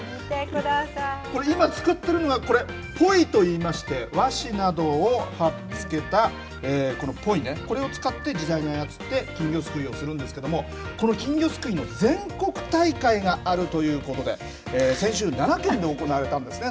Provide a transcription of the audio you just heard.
これ、今使っているのは、これ、ポイといいまして、和紙などをはっつけたこのポイね、これを使って、自在に操って、金魚すくいをするんですけれども、この金魚すくいの全国大会があるということで、先週、奈良県で行われたんですね。